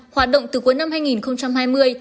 hoạt động từ cuối năm hai nghìn hai mươi